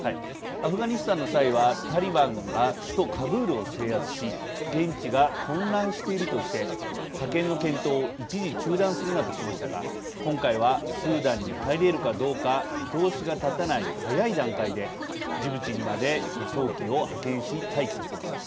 アフガニスタンの際はタリバンが首都カブールを制圧し現地が混乱しているとして派遣の検討を一時中断するなどしましたが今回はスーダンに入れるかどうか見通しが立たない早い段階でジブチにまで輸送機を派遣し待機させました。